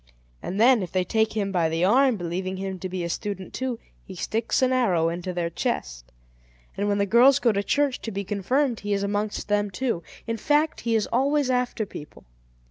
And then, if they take him by the arm, believing him to be a student too, he sticks an arrow into their chest. And when the girls go to church to be confirmed, he is amongst them too. In fact, he is always after people.